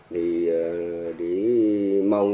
thì để mong